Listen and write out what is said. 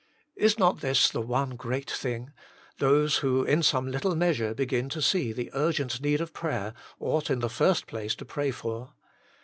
Is not this the one great thing, those, who in some little measure begin to see the urgent need of prayer, ought in the first place to pray for.